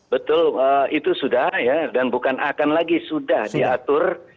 betul itu sudah ya dan bukan akan lagi sudah diatur